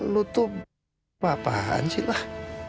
lu tuh apaan sih lah